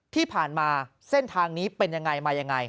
ที่ผ่านมาเส้นทางนี้เป็นอย่างไรมาอย่างไร